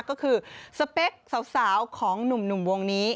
ก็คือสเปคสาวของหนุ่มวงนี้